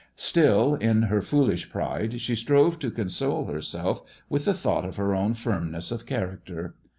Still, in her foolish pride she strove to console herself with the thought of her own firmness of character.